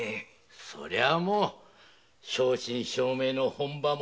そりゃもう正真正銘の本場物。